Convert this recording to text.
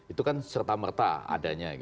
itu kan serta merta adanya